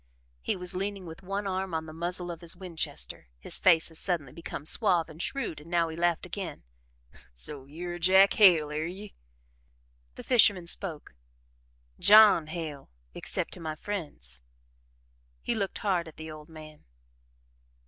He was leaning with one arm on the muzzle of his Winchester, his face had suddenly become suave and shrewd and now he laughed again: "So you're Jack Hale, air ye?" The fisherman spoke. "JOHN Hale, except to my friends." He looked hard at the old man.